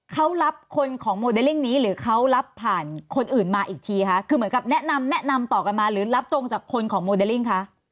เขารับคนของโมเดลลิ่งนี้หรือเขารับผ่านคนอื่นมาอีกทีคะคือเหมือนกับแนะนำแนะนำต่อกันมาหรือรับตรงจากคนของโมเดลลิ่งคะ